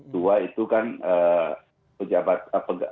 dua itu kan pejabat